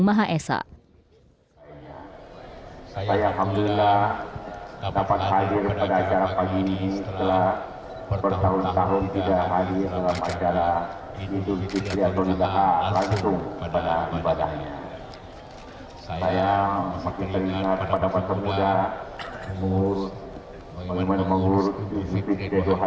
dan itulah saya merasa sangat berbahagia untuk hadir lagi dalam acara yang tersebut